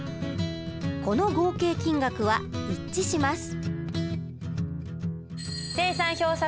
この合計金額は一致します。